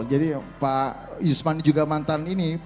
jadi pak yusman juga mantan ini